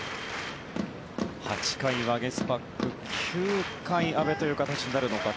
８回、ワゲスパック９回、阿部という形になるのか。